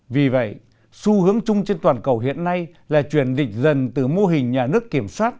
vì vậy xu hướng chung trên toàn cầu hiện nay là chuyển dịch dần từ mô hình nhà nước kiểm soát